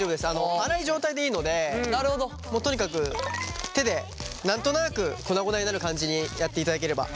粗い状態でいいのでもうとにかく手で何となく粉々になる感じにやっていただければ。